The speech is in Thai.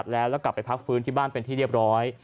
แล้วก็กลับไปพักฟื้นที่บ้านเป็นที่เรียบร้อย